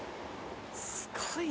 すごいね。